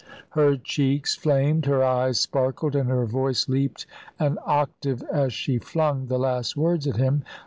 Her cheeks flamed, her eyes sparkled, and her voice leaped an octave as she flung the last words at him.